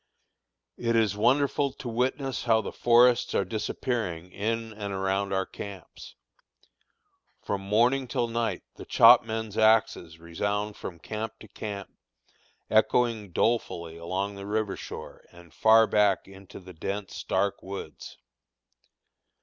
It is wonderful to witness how the forests are disappearing in and around our camps. From morning till night the chopmen's axes resound from camp to camp, echoing dolefully along the river shore and far back into the dense, dark woods.